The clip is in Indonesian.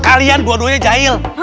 kalian dua duanya jahil